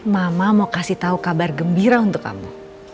mama mau kasih tahu kabar gembira untuk kamu